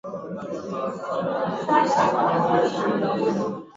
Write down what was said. Baya zaidi leo ndio siku ya kwanza baada ya kuambukizwa ugonjwa.